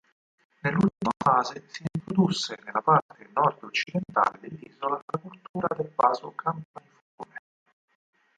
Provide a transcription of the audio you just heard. Nell'ultima fase si introdusse nella parte nord-occidentale dell'isola la cultura del vaso campaniforme.